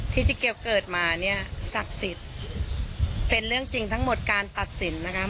ที่เจ๊เกียวเกิดมาเนี่ยศักดิ์สิทธิ์เป็นเรื่องจริงทั้งหมดการตัดสินนะคะ